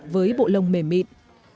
với bộ lông mềm mịn